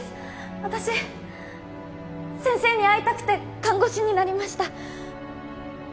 私先生に会いたくて看護師になりました